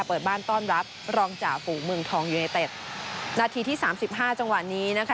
เปิดบ้านต้อนรับรองจ่าฝูงเมืองทองยูเนเต็ดนาทีที่สามสิบห้าจังหวะนี้นะคะ